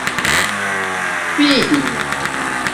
fidi